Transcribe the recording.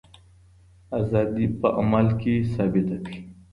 ازادي په عمل کي ثابته کړئ.